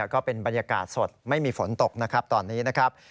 ก็เป็นบรรยากาศสดไม่มีฝนตกนะครับตอนนี้นะครับ